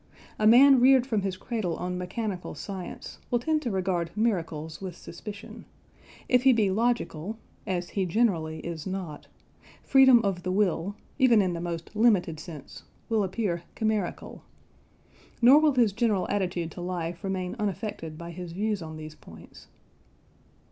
A man reared from his cradle on mechanical science will tend to regard miracles with suspicion; if he be logical (as he generally is not) freedom of the will, even in the most limited sense, will appear chimerical. Nor will his general attitude to life remain unaffected by his views on these points.